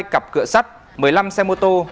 hai cặp cửa sắt một mươi năm xe mô tô